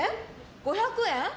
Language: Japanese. ５００円？